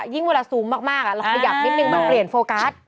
เวลาซูมมากเราขยับนิดนึงมันเปลี่ยนโฟกัส